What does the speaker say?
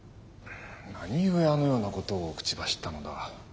何故あのようなことを口走ったのだ？